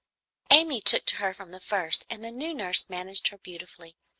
Amy took to her from the first, and the new nurse managed her beautifully.